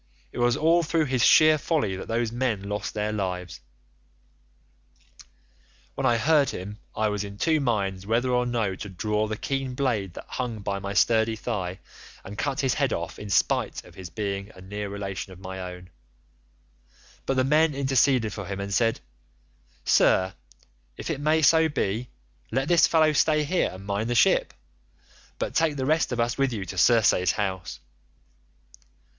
It was all through his sheer folly that those men lost their lives.' "When I heard him I was in two minds whether or no to draw the keen blade that hung by my sturdy thigh and cut his head off in spite of his being a near relation of my own; but the men interceded for him and said, 'Sir, if it may so be, let this fellow stay here and mind the ship, but take the rest of us with you to Circe's house.